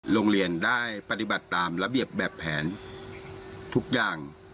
โรงเรียนได้ปฏิบัติตามระเบียบแบบแผนทุกอย่าง